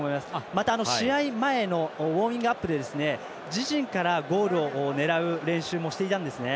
また、試合前のウォーミングアップで自陣からゴールを狙う練習もしていたんですね。